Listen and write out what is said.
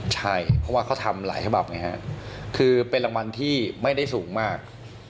ใช่เพราะว่าเขาทำหลายฉบับไงฮะคือเป็นรางวัลที่ไม่ได้สูงมาก